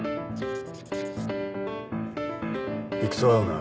理屈は合うな。